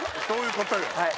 そういうことよ。